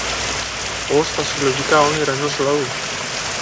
ως τα συλλογικά όνειρα ενός λαού